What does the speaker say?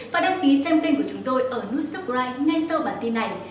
và đăng ký xem kênh của chúng tôi ở nút subscribe ngay sau bản tin này